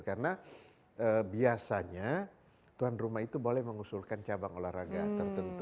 karena biasanya tuan rumah itu boleh mengusulkan cabang olahraga tertentu